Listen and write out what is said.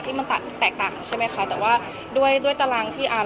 มีบทหรือมีอะไรก็ยินดีรับอยู่แล้ว